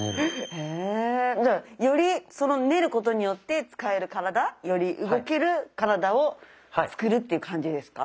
じゃあより練ることによって使える体より動ける体を作るっていう感じですか？